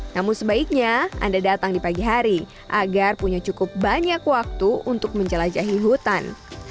namun sebaiknya anda datang di pagi hari agar punya cukup banyak waktu untuk menjelajahi hutan